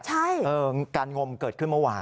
ใช่เออการงมเกิดขึ้นเมื่อวาน